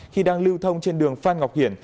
khi đang lưu thông trên đường phan ngọc hiển